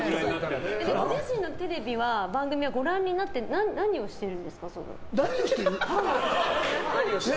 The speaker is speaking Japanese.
ご自身の番組はご覧になって何をしてるんですか。